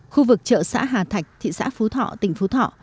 khu vực chợ xã hà thạch thị xã phú thọ tỉnh phú thọ